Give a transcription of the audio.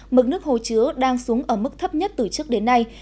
mực nước hồ chứa đang xuống ở mức thấp nhất từ trước đến nay